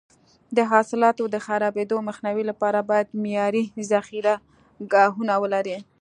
د حاصلاتو د خرابېدو مخنیوي لپاره باید معیاري ذخیره ګاهونه ولري.